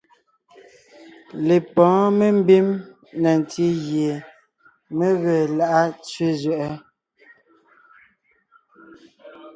Lepɔ̌ɔn membím na ntí gie mé ge lá’a tsẅé zẅɛʼɛ;